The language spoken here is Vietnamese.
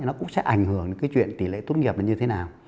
nó cũng sẽ ảnh hưởng đến cái chuyện tỷ lệ tốt nghiệp là như thế nào